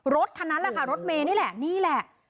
รถคันนั้นแหละค่ะรถเมย์นี่แหละนี่แหละ